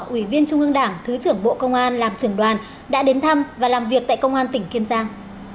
ủy viên trung ương đảng thứ trưởng bộ công an làm trưởng đoàn đã đến thăm và làm việc tại công an tỉnh kiên giang